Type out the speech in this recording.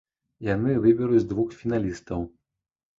Яны выберуць двух фіналістаў.